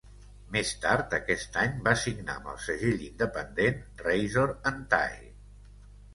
Més tard aquest any, va signar amb el segell independent Razor and Tie.